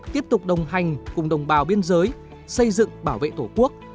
tiếp tục đồng hành cùng đồng bào biên giới xây dựng bảo vệ tổ quốc